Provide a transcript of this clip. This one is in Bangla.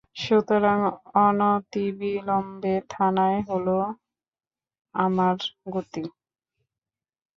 সুতরাং অনতিবিলম্বে থানায় হল আমার গতি।